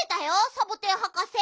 サボテンはかせ。